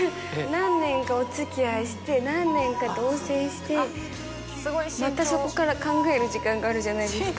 何年かお付き合いして何年か同棲してまたそこから考える時間があるじゃないですか。